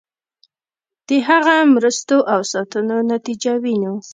د هغه مرستو او ساتنو نتیجه وینو.